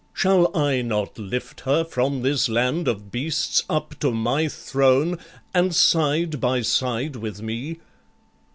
Shall I not lift her from this land of beasts Up to my throne, and side by side with me?